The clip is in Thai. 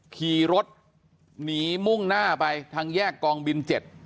ขี่รถหนีมุ่งหน้าไปทางแยกกองบิน๗